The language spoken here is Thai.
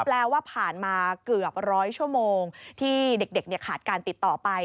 ว่าผ่านมาเกือบ๑๐๐ชั่วโมงที่เด็กขาดการติดต่อไป